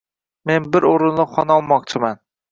Men bir o'rinli xona olmoqchiman.